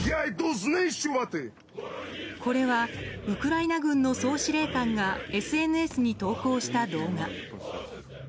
これはウクライナ軍の総司令官がＳＮＳに投稿した動画。